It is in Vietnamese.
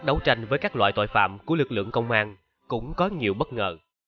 đấu tranh với các loại tội phạm của lực lượng công an cũng có nhiều bất ngờ